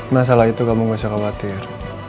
masalah itu kamu gak usah khawatir